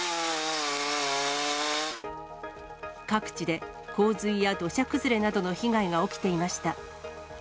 各地で洪水や土砂崩れなどの被害が起きていました。